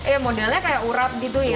eh modelnya kayak urap gitu ya